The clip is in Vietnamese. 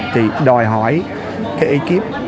thì đòi hỏi cái ekip